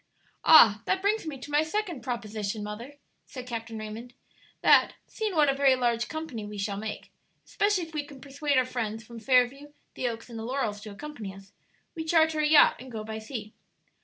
"Ah, that brings me to my second proposition, mother," said Captain Raymond; "that seeing what a very large company we shall make, especially if we can persuade our friends from Fairview, the Oaks, and the Laurels to accompany us we charter a yacht and go by sea."